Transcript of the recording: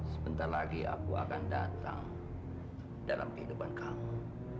sebentar lagi aku akan datang dalam kehidupan kamu